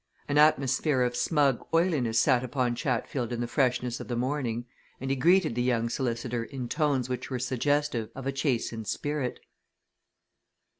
An atmosphere of smug oiliness sat upon Chatfield in the freshness of the morning, and he greeted the young solicitor in tones which were suggestive of a chastened spirit.